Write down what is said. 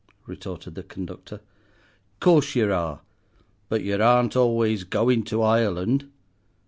retorted the conductor. "Course yer are. But yer aren't always goin' to Ireland.